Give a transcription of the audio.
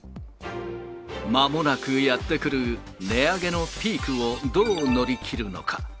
まもなくやって来る値上げのピークをどう乗り切るのか。